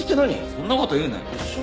そんな事言うなよ。